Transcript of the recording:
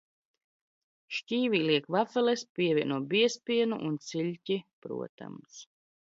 Šķīvī liek vafeles, pievieno biezpienu un siļķi, protams.